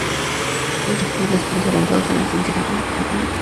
Es reconocido en Centro de Estudios Avanzados en las ciencias del Conducta.